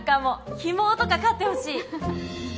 ヒモ男とか飼ってほしい。